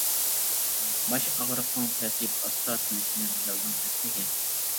باش ئاغرىقىڭ پەسىيىپ ئاستا، تىنچلىنىپ كەلدىڭ ئەسلىگە.